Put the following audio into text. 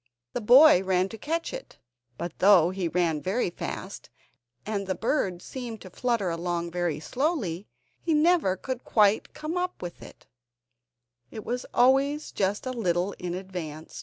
The boy ran to catch it, but though he ran very fast, and the bird seemed to flutter along very slowly, he never could quite come up with it; it was always just a little in advance.